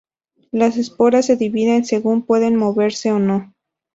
Las esporas se dividen según puedan moverse o no.